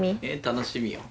楽しみよ。